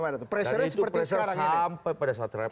dan itu pressure sampai pada saat terakhir